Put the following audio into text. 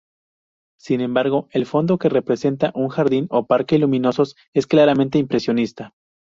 Sin embargo, el fondo que representa un jardín o parque luminosos, es claramente impresionista.